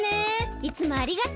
いつもありがとう。